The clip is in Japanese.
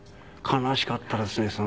悲しかったですね